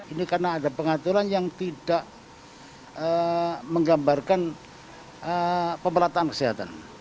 ini karena ada pengaturan yang tidak menggambarkan pemerataan kesehatan